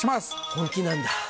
本気なんだ。